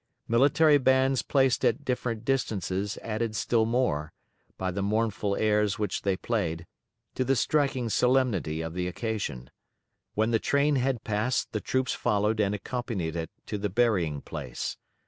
Military bands placed at different distances added still more, by the mournful airs which they played, to the striking solemnity of the occasion. When the train had passed the troops followed and accompanied it to the burying place.